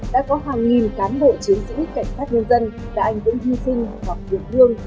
đã có hàng nghìn cán bộ chiến sĩ cảnh sát nhân dân đã ảnh dưỡng hy sinh hoặc tuyệt vương